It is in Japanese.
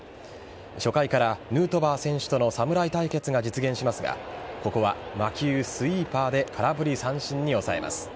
初回からヌートバー選手との侍対決が実現しますがここは魔球スイーパーで空振り三振に抑えます。